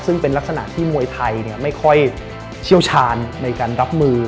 ซึ่งเป็นลักษณะที่มวยไทยไม่ค่อยเชี่ยวชาญในการรับมือ